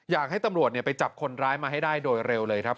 อยากให้ตำรวจไปจับคนร้ายมาให้ได้โดยเร็วเลยครับ